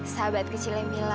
sahabat kecilnya mila